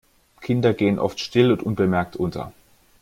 Kinder gehen oft still und unbemerkt unter.